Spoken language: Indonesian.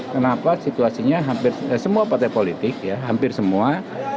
kenapa situasinya hampir semua partai politik ya hampir semua